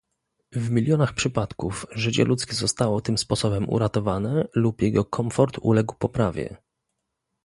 W milionach przypadków życie ludzkie zostało tym sposobem uratowane lub jego komfort uległ poprawie